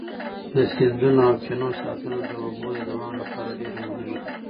د سیندونو او چینو ساتنه د اوبو د دوام لپاره ډېره مهمه ده.